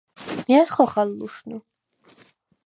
ჲა̈ს ხოხალ ლუშნუ?